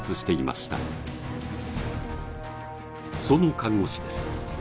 その看護師です